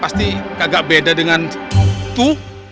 pasti agak beda dengan itu